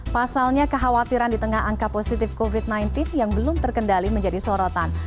pasalnya kekhawatiran di tengah angka positif covid sembilan belas yang belum terkendali menjadi sorotan